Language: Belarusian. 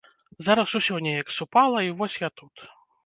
Зараз усё неяк супала і вось я тут.